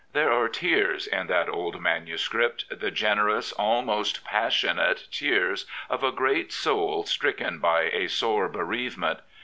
There are tears in that old manuscript, the generous, almost passionate, tears of a great soul stricken by a sore bereavement.